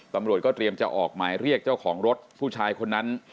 ตำรวจก็เตรียมจะออกหมายเรียกเจ้าของรถผู้ชายคนนั้น